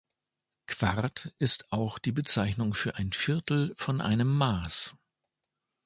Quart ist auch die Bezeichnung für ein Viertel von einem Maß.